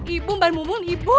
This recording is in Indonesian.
ibu mbak mumun ibu